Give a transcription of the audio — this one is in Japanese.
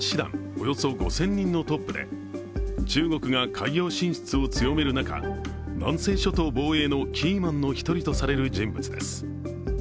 およそ５０００人のトップで、中国が海洋進出を強める中、南西諸島防衛のキーマンの１人とされる人物です。